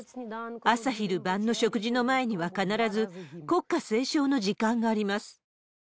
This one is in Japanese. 朝、昼、晩の食事の前には、必ず国歌斉唱の時間があります。